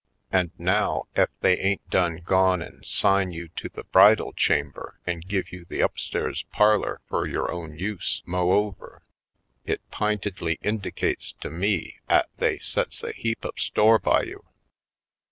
And now ef they ain't done gone an' 'sign you to the bridal chamber an' give you the upstairs parlor fur yore own use, mo' over! It p'intedly indicates to me 'at they sets a heap of store by you."